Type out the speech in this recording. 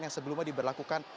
yang sebelumnya diberlakukan